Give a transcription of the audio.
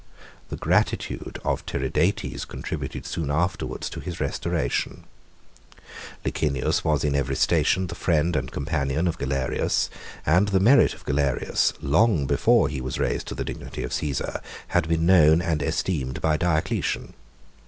The gratitude of Tiridates contributed soon afterwards to his restoration. Licinius was in every station the friend and companion of Galerius, and the merit of Galerius, long before he was raised to the dignity of Cæsar, had been known and esteemed by Diocletian.